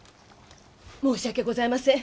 申し訳ございません。